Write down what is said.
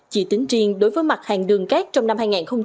chỉ tính riêng đối với mặt hàng đường cát trong năm hai nghìn hai mươi